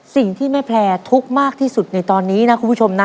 สิ่งที่แม่แพลร์ทุกข์มากที่สุดในตอนนี้นะคุณผู้ชมนะ